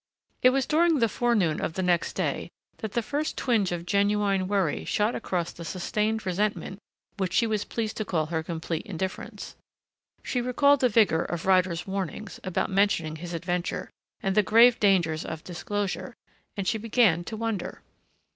It was during the forenoon of the next day that the first twinge of genuine worry shot across the sustained resentment which she was pleased to call her complete indifference. She recalled the vigor of Ryder's warnings about mentioning his adventure and the grave dangers of disclosure, and she began to wonder.